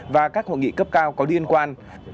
và các hội nghị cấp cao có liên quan